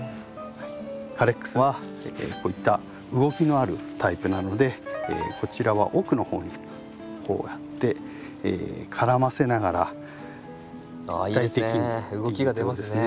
カレックスはこういった動きのあるタイプなのでこちらは奥の方にこうやって絡ませながら立体的にっていうとこですね。